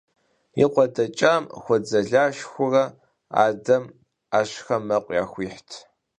И къуэ дэкӏам хуэдзэлашхэурэ, адэм ӏэщхэм мэкъу яхуихьт.